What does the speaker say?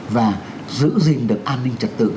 và giữ gìn được an ninh trật tự